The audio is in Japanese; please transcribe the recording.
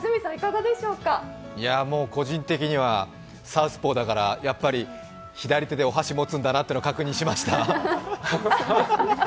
個人的にはサウスポーだから、やっぱり左手でお箸持つんだなというのを確認しました。